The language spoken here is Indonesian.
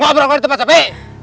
ngobrol gak ada tempat tapi